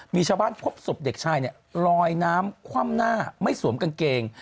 มีชาวบ้านพบศพเด็กชายเนี่ยลอยน้ำคว่ำหน้าไม่สวมกางเกง